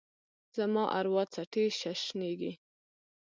زما اروا څټي ششنیږې